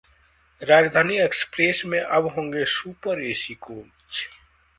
राजधानी एक्सप्रेस में अब होंगे सुपर एसी कोच